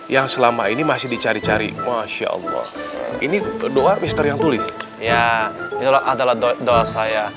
yang selama ini masih dicari cari masya allah ini doa mr yang tulis ya itu adalah doa saya